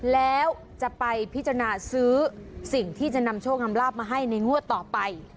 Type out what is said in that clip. แล้วจะไปพิจารณาซื้อสิ่งที่จะนำโชคนำลาบมาให้ในงวดต่อไป